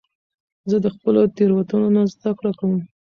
زه د خپلو تیروتنو نه زده کړه کوم.